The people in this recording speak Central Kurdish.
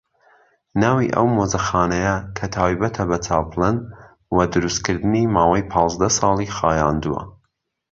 ناوی ئەو مۆزەخانەیە کە تایبەتە بە چاپلن و دروستکردنی ماوەی پازدە ساڵی خایاندووە